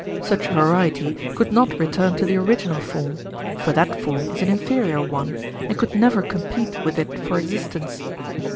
Such a variety could not return to the original form; for that form is an inferior one, and could never compete with it for existence.